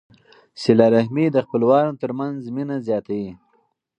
صله رحمي د خپلوانو ترمنځ مینه زیاتوي.